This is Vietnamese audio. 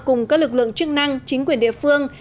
cùng các lực lượng chức năng chính quyền địa phương